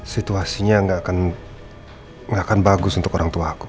situasinya nggak akan bagus untuk orang tua aku